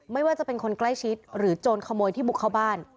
ไม่ว่าจะเป็นคนใกล้ชิดหรือโจรขโมยที่บุกเข้าบ้าน